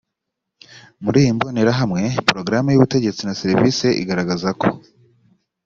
muri iyi mbonerahamwe porogaramu y ubutegetsi na serivisi igaragaza ko